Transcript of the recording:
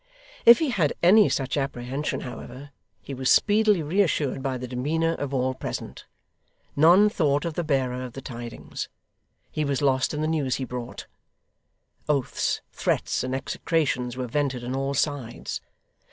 If he had any such apprehension, however, he was speedily reassured by the demeanour of all present. None thought of the bearer of the tidings. He was lost in the news he brought. Oaths, threats, and execrations, were vented on all sides.